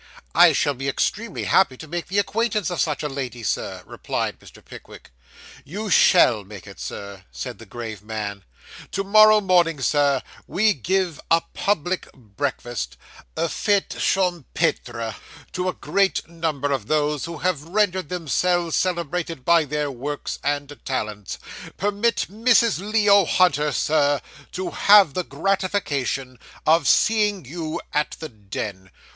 'I shall be extremely happy to make the acquaintance of such a lady, sir,' replied Mr. Pickwick. 'You _shall _make it, sir,' said the grave man. 'To morrow morning, sir, we give a public breakfast a fete champetre to a great number of those who have rendered themselves celebrated by their works and talents. Permit Mrs. Leo Hunter, Sir, to have the gratification of seeing you at the Den.